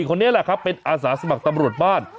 คนนี้แหละครับเป็นอาสาสมัครตำรวจบ้าน